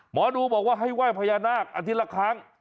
หมอดูบอกว่าให้ไหว้พญานาคอาทิตย์ละครั้ง